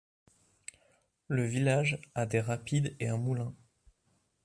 Le village a des rapides et un moulin.